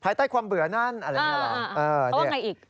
ภายใต้ความเบื่อนั้นอะไรอย่างนี้เหรอ